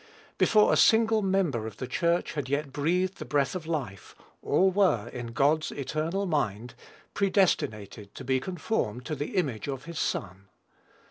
Before a single member of the Church had yet breathed the breath of life, all were, in God's eternal mind, predestinated to be conformed to the "image of his Son."